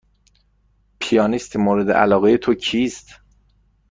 پیانیست مورد علاقه تو کیست؟